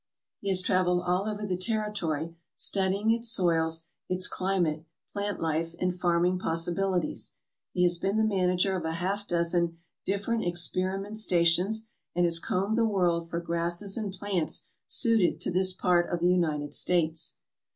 He has travelled all over the territory, studying its soils, its climate, plant life, and farming possibilities. He has been the manager of a half dozen different experiment stations and has combed the world for grasses and plants suited to this part of the United States.